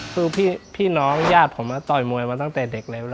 สู่พี่น้องญาต้์ผมจะต่อยมวยมาตั้งแต่เด็กเลย